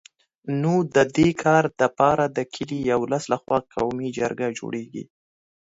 نو د دي کار دپاره د کلي یا ولس له خوا قومي جرګه جوړېږي